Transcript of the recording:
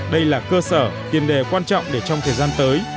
đây là cơ sở tiền đề quan trọng để trong thời gian tới